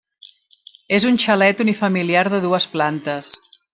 És un xalet unifamiliar de dues plantes.